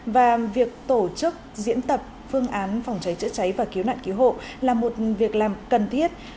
và việc tổ chức diễn tập phương án phòng cháy chữa cháy và cứu nạn cứu hộ là một việc làm cần thiết